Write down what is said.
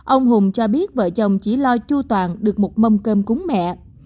ông hùng cho biết vợ chồng chỉ lo chu toàn được một mâm cơm cúng mẹ